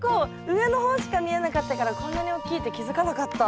上の方しか見えなかったからこんなに大きいって気付かなかった。